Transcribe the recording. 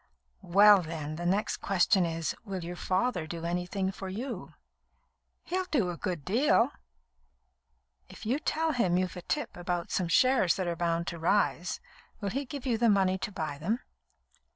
"Well, then, the next question is: Will your father do anything for you?" "He'll do a good deal." "If you tell him you've a tip about some shares that are bound to rise, will he give you the money to buy them?"